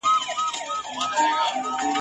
شېبه شېبه تر زلمیتوبه خو چي نه تېرېدای !.